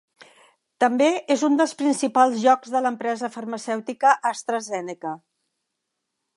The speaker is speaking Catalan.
També és un dels principals llocs de l'empresa farmacèutica AstraZeneca.